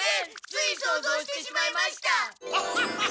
ついそうぞうしてしまいました。